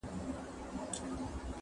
ته به راځې او زه به تللی یمه -